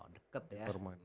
oh deket ya